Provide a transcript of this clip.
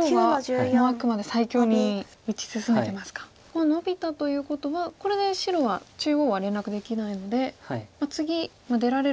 ここはノビたということはこれで白は中央は連絡できないので次出られると切られてしまうと。